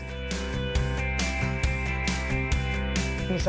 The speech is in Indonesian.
misalnya bisa dikatakan titik kesuksesan